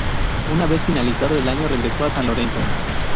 Una vez finalizado el año regresó a San Lorenzo.